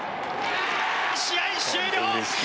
試合終了！